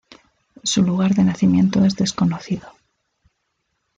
Su lugar de nacimiento es desconocido.